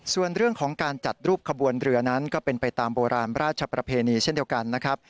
ส่วนเรื่องของการจัดรูปขบวนเรือนั้นก็เป็นไปตามโบราณราชประเพณีเช่นเดียวกันนะครับ